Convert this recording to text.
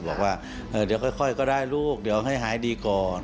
บอกว่าเดี๋ยวค่อยก็ได้ลูกเดี๋ยวให้หายดีก่อน